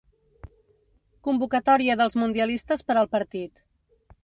Convocatòria dels mundialistes per al partit.